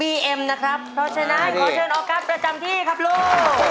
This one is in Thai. เอ็มนะครับเพราะฉะนั้นขอเชิญออกัสประจำที่ครับลูก